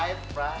sampai jumpa lagi